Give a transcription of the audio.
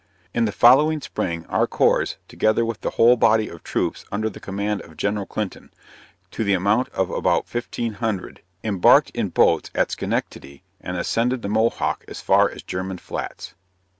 In the following spring, our corps, together with the whole body of troops under the command of Gen. Clinton, to the amount of about 1500, embarked in boats at Schenectady, and ascended the Mohawk as far as German Flats.